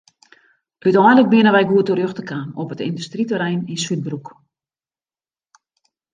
Uteinlik binne wy goed terjochte kaam op it yndustryterrein yn Súdbroek.